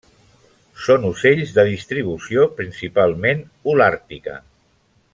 Són ocells de distribució principalment holàrtica.